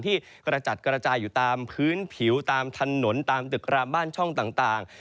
กระจัดกระจายอยู่ตามพื้นผิวตามถนนตามตึกรามบ้านช่องต่าง